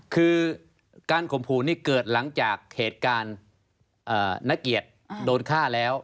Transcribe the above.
คือการข่มขู่นี่เกิดหลังจากเหตุการณ์นักเกียรติโดนฆ่าแล้ว